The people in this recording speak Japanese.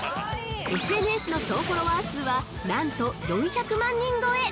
ＳＮＳの総フォロワー数はなんと４００万人超え！